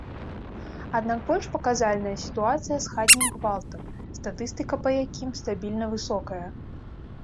Аднак больш паказальная сітуацыя з хатнім гвалтам, статыстыка па якім стабільна высокая.